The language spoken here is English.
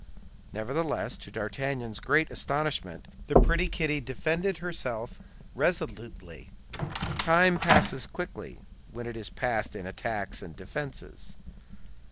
Nevertheless, to D'Artagnan's great astonishment, the pretty Kitty defended herself resolutely. Time passes quickly when it is passed in attacks and defenses.